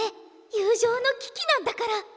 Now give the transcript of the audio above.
友情の危機なんだから。